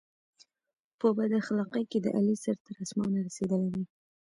په بد اخلاقی کې د علي سر تر اسمانه رسېدلی دی.